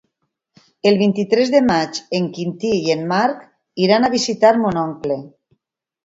El vint-i-tres de maig en Quintí i en Marc iran a visitar mon oncle.